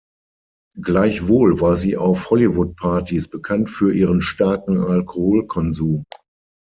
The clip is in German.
Gleichwohl war sie auf Hollywood-Partys bekannt für ihren starken Alkoholkonsum.